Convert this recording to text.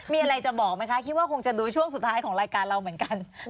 มีอะไรจะบอกไหมคะคิดว่าคงจะดูช่วงสุดท้ายของรายการเราเหมือนกัน